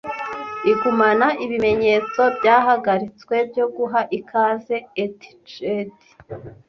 Igumana ibimenyetso byahagaritswe byo guha ikaze etched